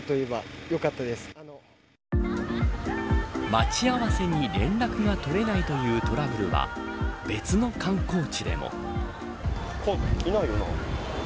待ち合わせに連絡が取れないというトラブルは別の観光地でも。